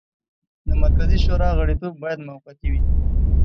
د مرکزي شورا غړیتوب باید موقتي وي.